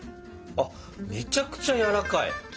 あっめちゃくちゃやわらかい！ね。